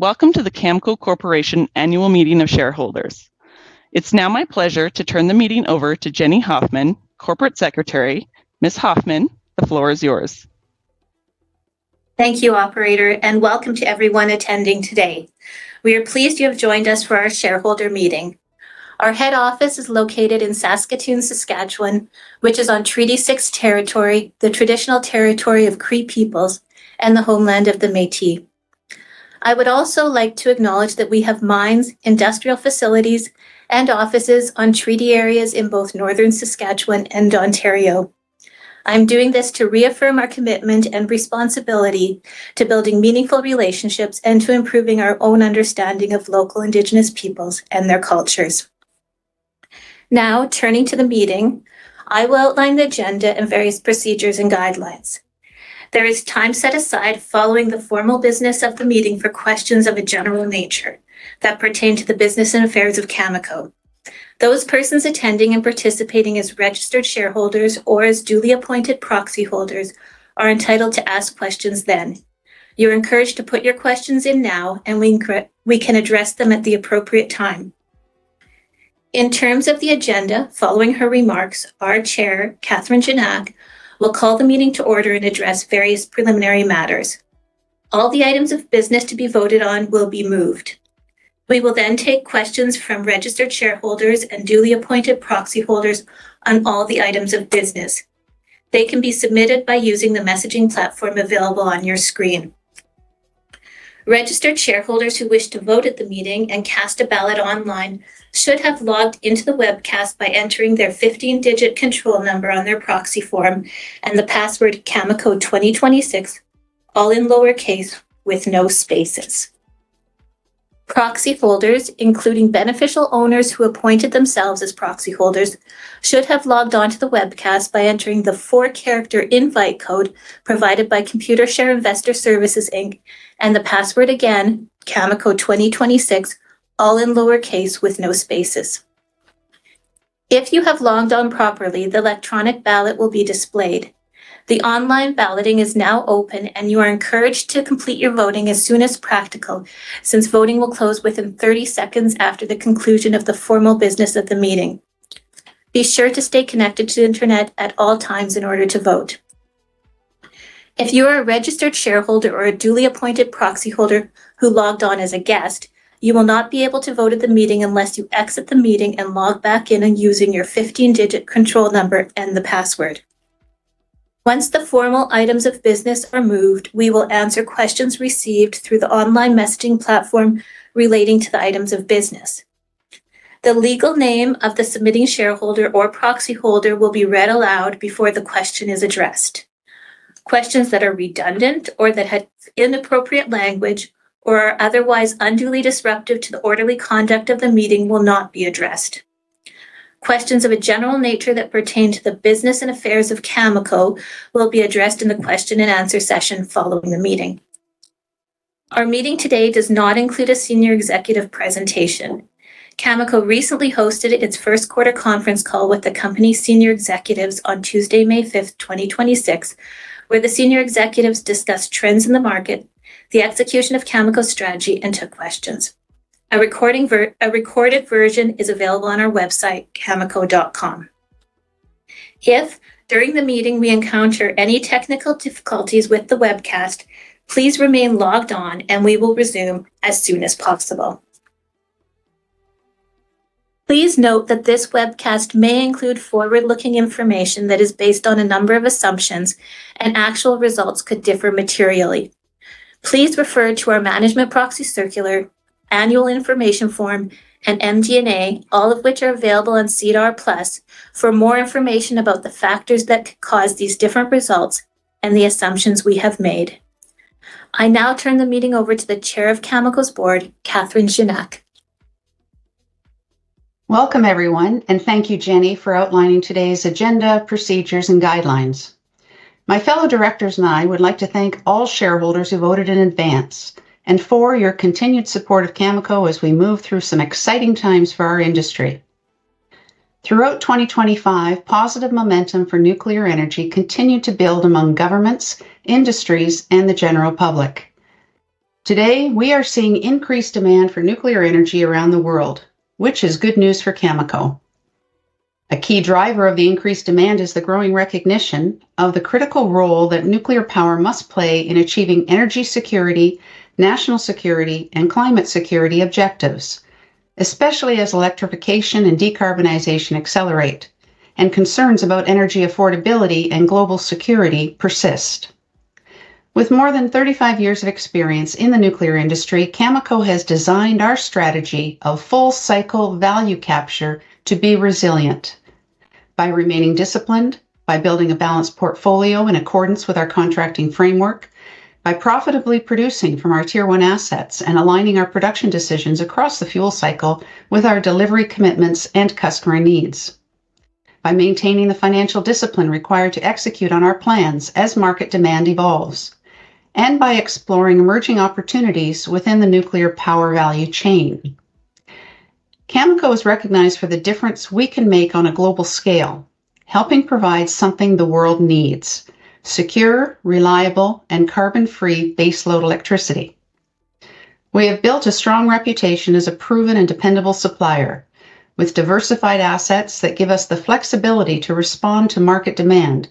Welcome to the Cameco Corporation annual meeting of shareholders. It is now my pleasure to turn the meeting over to Jenny Hoffman, Corporate Secretary. Ms. Hoffman, the floor is yours. Thank you, operator, and welcome to everyone attending today. We are pleased you have joined us for our shareholder meeting. Our head office is located in Saskatoon, Saskatchewan, which is on Treaty 6 Territory, the traditional territory of Cree peoples, and the Homeland of the Métis. I would also like to acknowledge that we have mines, industrial facilities, and offices on treaty areas in both Northern Saskatchewan and Ontario. I'm doing this to reaffirm our commitment and responsibility to building meaningful relationships and to improving our own understanding of local indigenous peoples and their cultures. Now, turning to the meeting, I will outline the agenda and various procedures and guidelines. There is time set aside following the formal business of the meeting for questions of a general nature that pertain to the business and affairs of Cameco. Those persons attending and participating as registered shareholders or as duly appointed proxyholders are entitled to ask questions then. You're encouraged to put your questions in now, and we can address them at the appropriate time. In terms of the agenda, following her remarks, our chair, Catherine Gignac, will call the meeting to order and address various preliminary matters. All the items of business to be voted on will be moved. We will then take questions from registered shareholders and duly appointed proxyholders on all the items of business. They can be submitted by using the messaging platform available on your screen. Registered shareholders who wish to vote at the meeting and cast a ballot online should have logged into the webcast by entering their 15-digit control number on their proxy form and the password cameco2026, all in lowercase with no spaces. Proxy holders, including beneficial owners who appointed themselves as proxyholders, should have logged on to the webcast by entering the four-character invite code provided by Computershare Investor Services Inc., and the password again, cameco2026, all in lowercase with no spaces. If you have logged on properly, the electronic ballot will be displayed. The online balloting is now open, and you are encouraged to complete your voting as soon as practical since voting will close within 30 seconds after the conclusion of the formal business of the meeting. Be sure to stay connected to the Internet at all times in order to vote. If you are a registered shareholder or a duly appointed proxyholder who logged on as a guest, you will not be able to vote at the meeting unless you exit the meeting and log back in and using your 15-digit control number and the password. Once the formal items of business are moved, we will answer questions received through the online messaging platform relating to the items of business. The legal name of the submitting shareholder or proxyholder will be read aloud before the question is addressed. Questions that are redundant or that had inappropriate language or are otherwise unduly disruptive to the orderly conduct of the meeting will not be addressed. Questions of a general nature that pertain to the business and affairs of Cameco will be addressed in the question and answer session following the meeting. Our meeting today does not include a senior executive presentation. Cameco recently hosted its first quarter conference call with the company's senior executives on Tuesday, May 5th, 2026, where the senior executives discussed trends in the market, the execution of Cameco strategy, and took questions. A recorded version is available on our website, cameco.com. If during the meeting we encounter any technical difficulties with the webcast, please remain logged on, and we will resume as soon as possible. Please note that this webcast may include forward-looking information that is based on a number of assumptions, and actual results could differ materially. Please refer to our management proxy circular, annual information form, and MD&A, all of which are available on SEDAR+ for more information about the factors that could cause these different results and the assumptions we have made. I now turn the meeting over to the Chair of Cameco's Board, Catherine Gignac. Welcome, everyone, and thank you, Jenny, for outlining today's agenda, procedures, and guidelines. My fellow directors and I would like to thank all shareholders who voted in advance and for your continued support of Cameco as we move through some exciting times for our industry. Throughout 2025, positive momentum for nuclear energy continued to build among governments, industries, and the general public. Today, we are seeing increased demand for nuclear energy around the world, which is good news for Cameco. A key driver of the increased demand is the growing recognition of the critical role that nuclear power must play in achieving energy security, national security, and climate security objectives, especially as electrification and decarbonization accelerate and concerns about energy affordability and global security persist. With more than 35 years of experience in the nuclear industry, Cameco has designed our strategy of full cycle value capture to be resilient by remaining disciplined, by building a balanced portfolio in accordance with our contracting framework, by profitably producing from our tier one assets and aligning our production decisions across the fuel cycle with our delivery commitments and customer needs, by maintaining the financial discipline required to execute on our plans as market demand evolves, and by exploring emerging opportunities within the nuclear power value chain. Cameco is recognized for the difference we can make on a global scale, helping provide something the world needs: secure, reliable, and carbon-free baseload electricity. We have built a strong reputation as a proven and dependable supplier with diversified assets that give us the flexibility to respond to market demand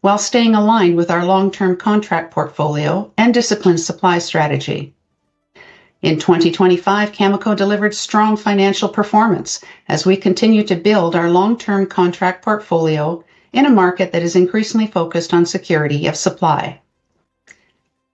while staying aligned with our long-term contract portfolio and disciplined supply strategy. In 2025, Cameco delivered strong financial performance as we continue to build our long-term contract portfolio in a market that is increasingly focused on security of supply.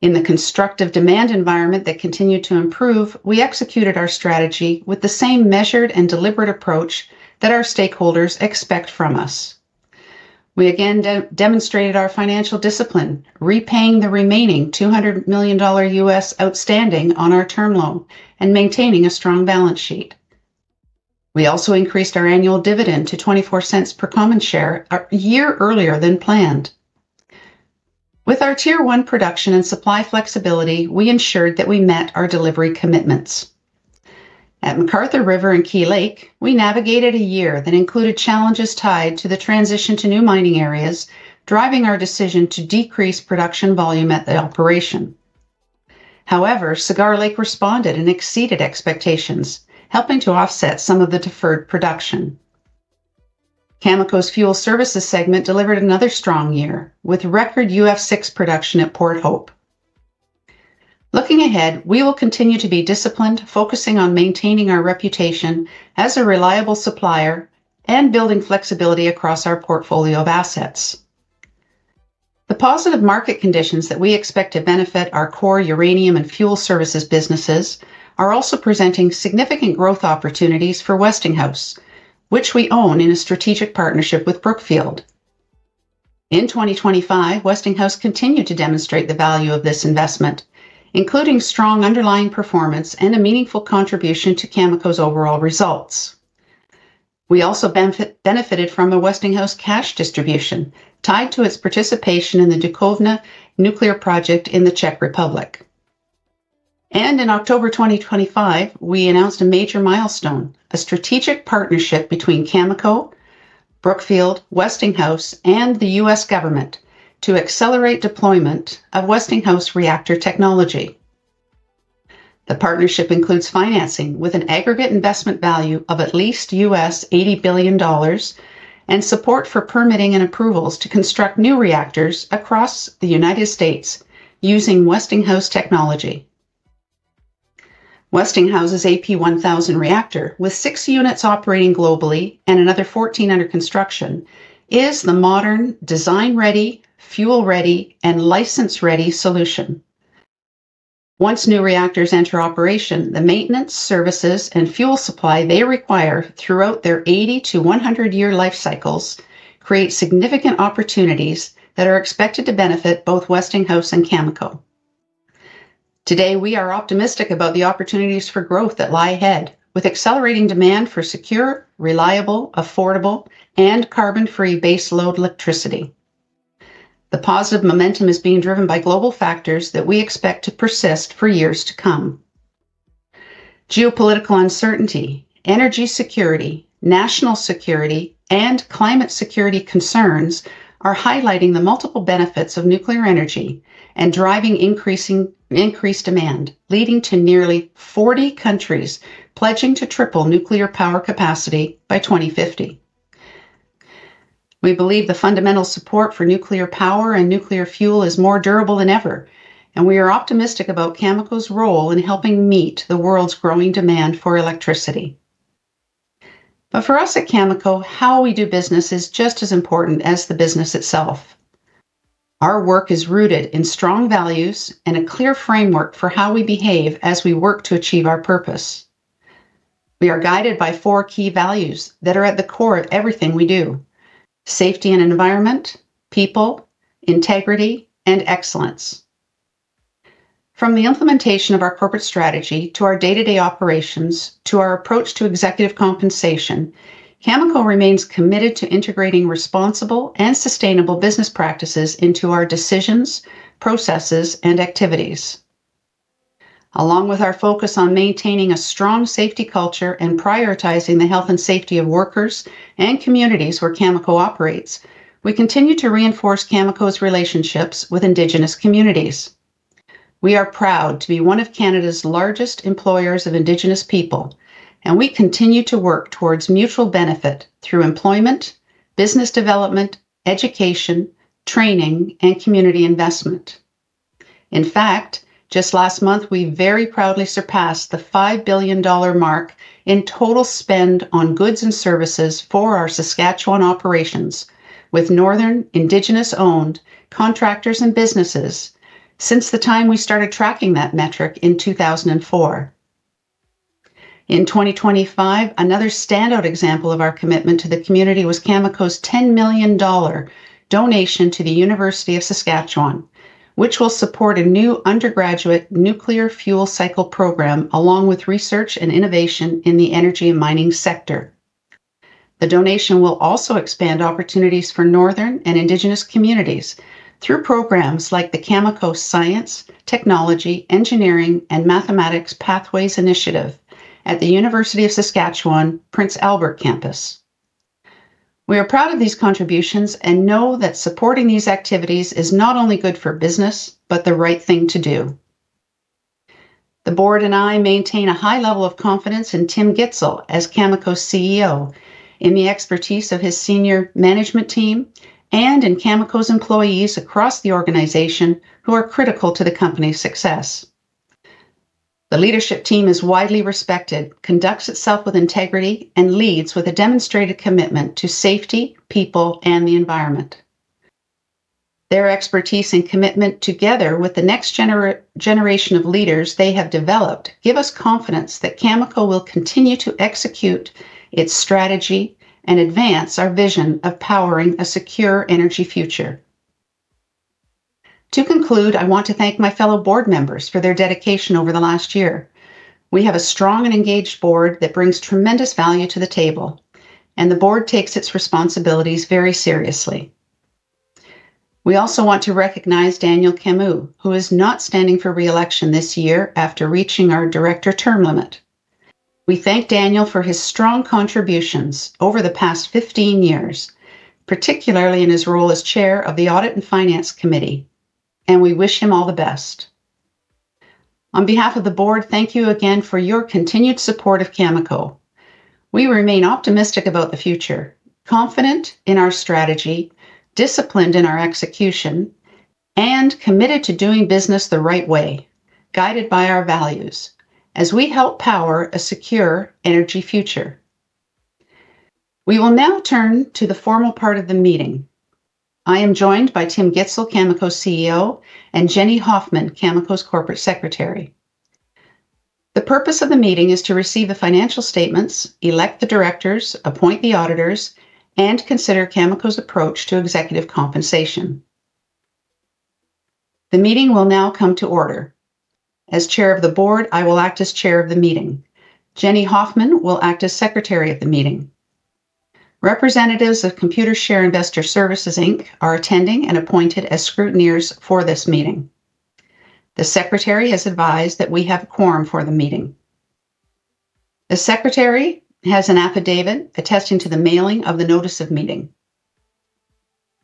In the constructive demand environment that continued to improve, we executed our strategy with the same measured and deliberate approach that our stakeholders expect from us. We again demonstrated our financial discipline, repaying the remaining $200 million U.S. outstanding on our term loan and maintaining a strong balance sheet. We also increased our annual dividend to CAD $0.24 per common share a year earlier than planned. With our tier one production and supply flexibility, we ensured that we met our delivery commitments. At McArthur River and Key Lake, we navigated a year that included challenges tied to the transition to new mining areas, driving our decision to decrease production volume at the operation. However, Cigar Lake responded and exceeded expectations, helping to offset some of the deferred production. Cameco's Fuel Services segment delivered another strong year with record UF6 production at Port Hope. Looking ahead, we will continue to be disciplined, focusing on maintaining our reputation as a reliable supplier and building flexibility across our portfolio of assets. The positive market conditions that we expect to benefit our core uranium and Fuel Services businesses are also presenting significant growth opportunities for Westinghouse, which we own in a strategic partnership with Brookfield. In 2025, Westinghouse continued to demonstrate the value of this investment, including strong underlying performance and a meaningful contribution to Cameco's overall results. We also benefited from a Westinghouse cash distribution tied to its participation in the Dukovany nuclear project in the Czech Republic. In October 2025, we announced a major milestone, a strategic partnership between Cameco, Brookfield, Westinghouse, and the U.S. government to accelerate deployment of Westinghouse reactor technology. The partnership includes financing with an aggregate investment value of at least $80 billion and support for permitting and approvals to construct new reactors across the U.S. using Westinghouse technology. Westinghouse's AP1000 reactor, with six units operating globally and another 14 under construction, is the modern design-ready, fuel-ready, and license-ready solution. Once new reactors enter operation, the maintenance, services, and fuel supply they require throughout their 80-100 year life cycles create significant opportunities that are expected to benefit both Westinghouse and Cameco. Today, we are optimistic about the opportunities for growth that lie ahead with accelerating demand for secure, reliable, affordable, and carbon-free baseload electricity. The positive momentum is being driven by global factors that we expect to persist for years to come. Geopolitical uncertainty, energy security, national security, and climate security concerns are highlighting the multiple benefits of nuclear energy and driving increased demand, leading to nearly 40 countries pledging to triple nuclear power capacity by 2050. We believe the fundamental support for nuclear power and nuclear fuel is more durable than ever, and we are optimistic about Cameco's role in helping meet the world's growing demand for electricity. For us at Cameco, how we do business is just as important as the business itself. Our work is rooted in strong values and a clear framework for how we behave as we work to achieve our purpose. We are guided by four key values that are at the core of everything we do: safety and environment, people, integrity, and excellence. From the implementation of our corporate strategy to our day-to-day operations, to our approach to executive compensation, Cameco remains committed to integrating responsible and sustainable business practices into our decisions, processes, and activities. Along with our focus on maintaining a strong safety culture and prioritizing the health and safety of workers and communities where Cameco operates, we continue to reinforce Cameco's relationships with indigenous communities. We are proud to be one of Canada's largest employers of indigenous people, and we continue to work towards mutual benefit through employment, business development, education, training, and community investment. In fact, just last month, we very proudly surpassed the CAD $5 billion mark in total spend on goods and services for our Saskatchewan operations with northern indigenous-owned contractors and businesses since the time we started tracking that metric in 2004. In 2025, another standout example of our commitment to the community was Cameco's CAD $10 million donation to the University of Saskatchewan, which will support a new undergraduate nuclear fuel cycle program, along with research and innovation in the energy and mining sector. The donation will also expand opportunities for northern and Indigenous communities through programs like the Cameco Science, Technology, Engineering, and Mathematics Pathways Initiative at the University of Saskatchewan Prince Albert Campus. We are proud of these contributions and know that supporting these activities is not only good for business but the right thing to do. The board and I maintain a high level of confidence in Tim Gitzel as Cameco's CEO, in the expertise of his senior management team, and in Cameco's employees across the organization who are critical to the company's success. The leadership team is widely respected, conducts itself with integrity, and leads with a demonstrated commitment to safety, people, and the environment. Their expertise and commitment, together with the next generation of leaders they have developed, give us confidence that Cameco will continue to execute its strategy and advance our vision of powering a secure energy future. To conclude, I want to thank my fellow board members for their dedication over the last year. We have a strong and engaged board that brings tremendous value to the table, and the board takes its responsibilities very seriously. We also want to recognize Daniel Camus, who is not standing for re-election this year after reaching our director term limit. We thank Daniel for his strong contributions over the past 15 years, particularly in his role as chair of the Audit and Finance Committee, and we wish him all the best. On behalf of the board, thank you again for your continued support of Cameco. We remain optimistic about the future, confident in our strategy, disciplined in our execution, and committed to doing business the right way, guided by our values as we help power a secure energy future. We will now turn to the formal part of the meeting. I am joined by Tim Gitzel, Cameco's CEO, and Jenny Hoffman, Cameco's Corporate Secretary. The purpose of the meeting is to receive the financial statements, elect the directors, appoint the auditors, and consider Cameco's approach to executive compensation. The meeting will now come to order. As chair of the board, I will act as chair of the meeting. Jenny Hoffman will act as secretary at the meeting. Representatives of Computershare Investor Services Inc. are attending and appointed as scrutineers for this meeting. The secretary has advised that we have a quorum for the meeting. The secretary has an affidavit attesting to the mailing of the notice of meeting.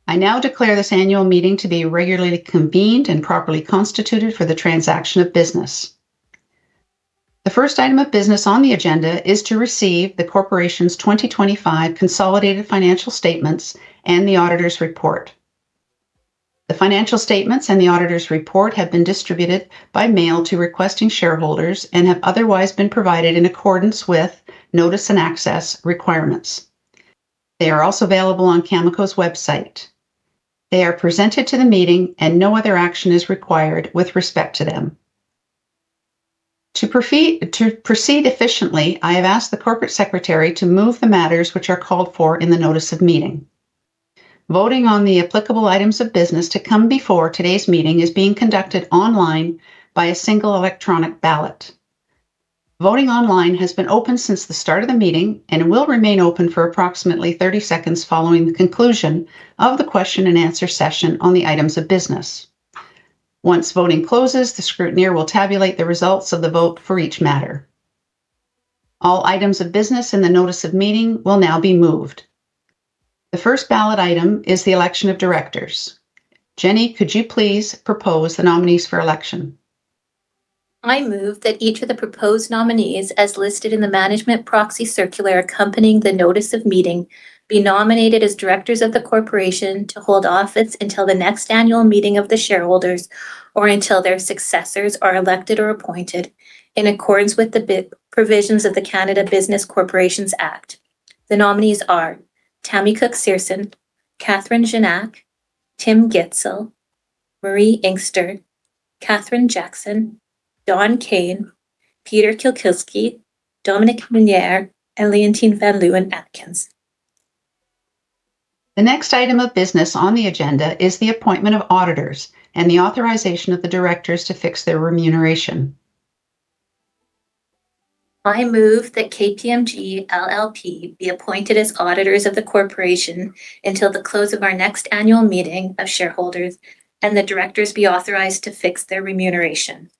I now declare this annual meeting to be regularly convened and properly constituted for the transaction of business. The first item of business on the agenda is to receive the corporation's 2025 consolidated financial statements and the auditor's report. The financial statements and the auditor's report have been distributed by mail to requesting shareholders and have otherwise been provided in accordance with notice and access requirements. They are also available on Cameco's website. They are presented to the meeting. No other action is required with respect to them. To proceed efficiently, I have asked the Corporate Secretary to move the matters which are called for in the notice of meeting. Voting on the applicable items of business to come before today's meeting is being conducted online by a single electronic ballot. Voting online has been open since the start of the meeting and will remain open for approximately 30 seconds following the conclusion of the question and answer session on the items of business. Once voting closes, the scrutineer will tabulate the results of the vote for each matter. All items of business in the notice of meeting will now be moved. The first ballot item is the election of directors. Jenny, could you please propose the nominees for election? I move that each of the proposed nominees, as listed in the management proxy circular accompanying the notice of meeting, be nominated as directors of the corporation to hold office until the next annual meeting of the shareholders or until their successors are elected or appointed, in accordance with the provisions of the Canada Business Corporations Act. The nominees are Tammy Cook-Searson, Catherine Gignac, Tim Gitzel, Marie Inkster, Kathryn Jackson, Don Kayne, Peter Kukielski, Dominique Minière, and Leontine van Leeuwen-Atkins. The next item of business on the agenda is the appointment of auditors and the authorization of the directors to fix their remuneration. I move that KPMG LLP be appointed as auditors of the corporation until the close of our next annual meeting of shareholders, and the directors be authorized to fix their remuneration.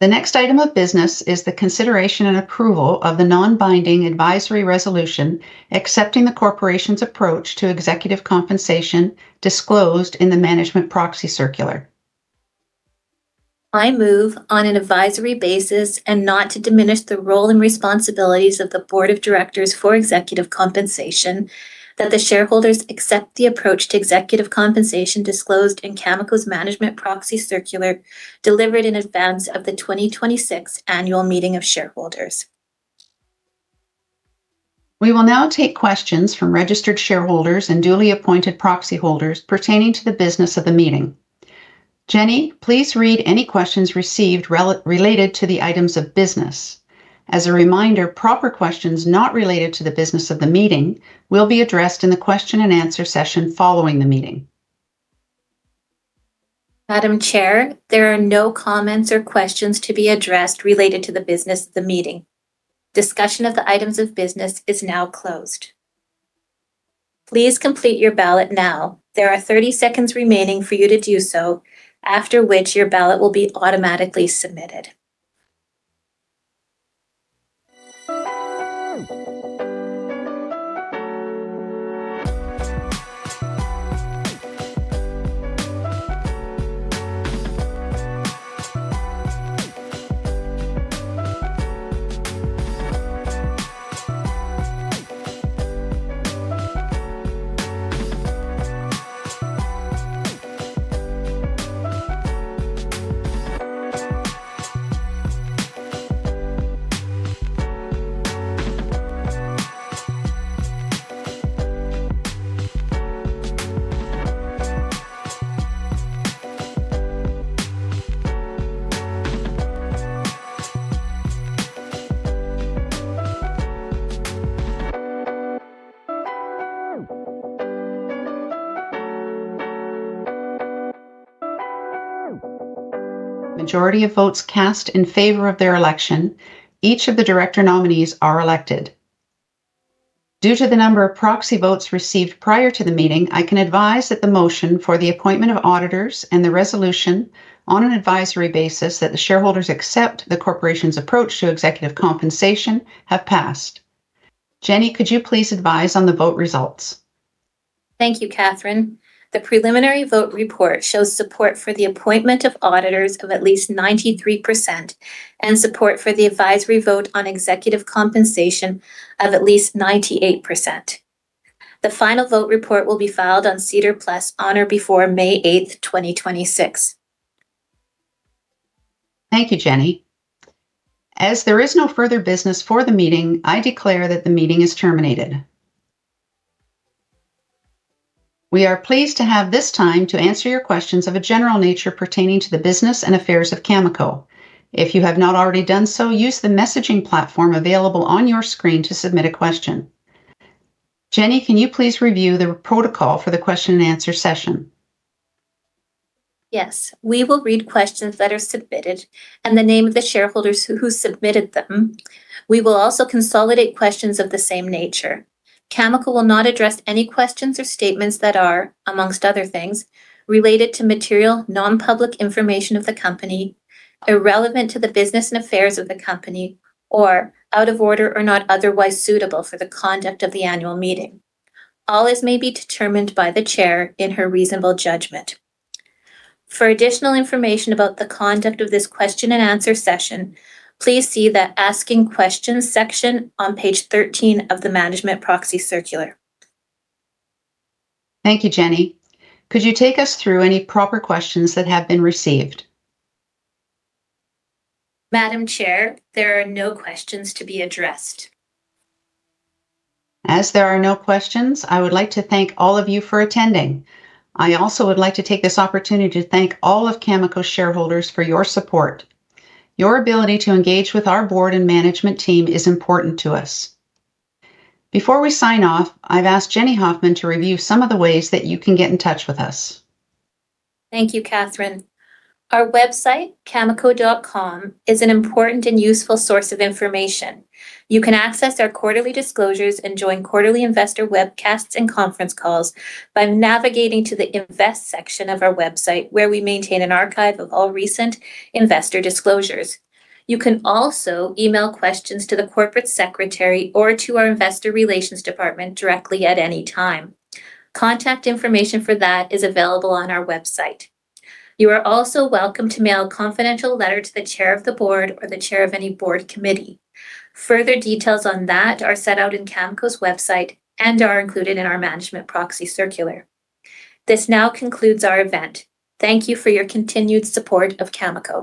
The next item of business is the consideration and approval of the non-binding advisory resolution accepting the corporation's approach to executive compensation disclosed in the management proxy circular. I move on an advisory basis and not to diminish the role and responsibilities of the Board of Directors for executive compensation, that the shareholders accept the approach to executive compensation disclosed in Cameco's management proxy circular delivered in advance of the 2026 annual meeting of shareholders. We will now take questions from registered shareholders and duly appointed proxy holders pertaining to the business of the meeting. Jenny, please read any questions received related to the items of business. As a reminder, proper questions not related to the business of the meeting will be addressed in the question and answer session following the meeting. Madam Chair, there are no comments or questions to be addressed related to the business of the meeting. Discussion of the items of business is now closed. Please complete your ballot now. There are 30 seconds remaining for you to do so, after which your ballot will be automatically submitted. Majority of votes cast in favor of their election, each of the director nominees are elected. Due to the number of proxy votes received prior to the meeting, I can advise that the motion for the appointment of auditors and the resolution on an advisory basis that the shareholders accept the corporation's approach to executive compensation have passed. Jenny, could you please advise on the vote results? Thank you, Catherine. The preliminary vote report shows support for the appointment of auditors of at least 93% and support for the advisory vote on executive compensation of at least 98%. The final vote report will be filed on SEDAR+ on or before May 8th, 2026. Thank you, Jenny. As there is no further business for the meeting, I declare that the meeting is terminated. We are pleased to have this time to answer your questions of a general nature pertaining to the business and affairs of Cameco. If you have not already done so, use the messaging platform available on your screen to submit a question. Jenny, can you please review the protocol for the question and answer session? Yes. We will read questions that are submitted and the name of the shareholders who submitted them. We will also consolidate questions of the same nature. Cameco will not address any questions or statements that are, amongst other things, related to material non-public information of the company, irrelevant to the business and affairs of the company, or out of order or not otherwise suitable for the conduct of the annual meeting. All is may be determined by the Chair in her reasonable judgment. For additional information about the conduct of this question and answer session, please see the Asking Questions section on page 13 of the management proxy circular. Thank you, Jenny. Could you take us through any proper questions that have been received? Madam Chair, there are no questions to be addressed. As there are no questions, I would like to thank all of you for attending. I also would like to take this opportunity to thank all of Cameco's shareholders for your support. Your ability to engage with our board and management team is important to us. Before we sign off, I've asked Jenny Hoffman to review some of the ways that you can get in touch with us. Thank you, Catherine Gignac. Our website, cameco.com, is an important and useful source of information. You can access our quarterly disclosures and join quarterly investor webcasts and conference calls by navigating to the Invest section of our website, where we maintain an archive of all recent investor disclosures. You can also email questions to the Corporate Secretary or to our investor relations department directly at any time. Contact information for that is available on our website. You are also welcome to mail a confidential letter to the Chair of the Board or the Chair of any Board committee. Further details on that are set out in Cameco's website and are included in our management proxy circular. This now concludes our event. Thank you for your continued support of Cameco.